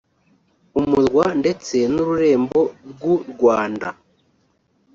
umurwa ndetse n’ururembo rw’u Rwanda